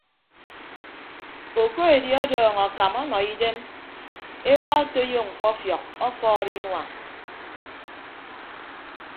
Okoedi ọdọọñ akam ọnọ idem ewa otoiyo mkpọfiọk ọkọọrọ inua.